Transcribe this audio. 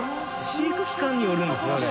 飼育期間によるんですね。